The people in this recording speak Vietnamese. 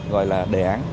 gọi là đề án